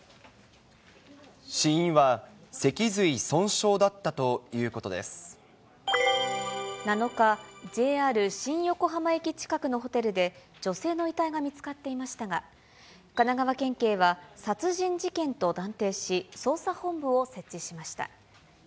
死因は脊髄損傷だったという７日、ＪＲ新横浜駅近くのホテルで、女性の遺体が見つかっていましたが、神奈川県警は殺人事件と断定し、捜査本部を設置しました。